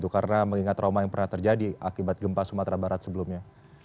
karena mengingat trauma yang pernah terjadi akibat gempa sumatera barat sebelumnya